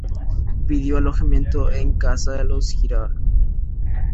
Pidió alojamiento en casa de los Giraldo.